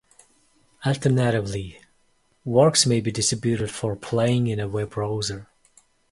Alternatively, works may be distributed for playing in a web browser.